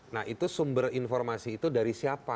nah itu sumber informasi itu dari siapa